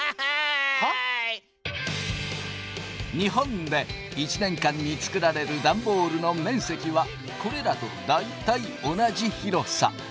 日本で１年間に作られるダンボールの面積はこれらと大体同じ広さ。